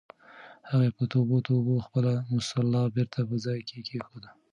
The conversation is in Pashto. هغې په توبو توبو خپله مصلّی بېرته په ځای کېښوده.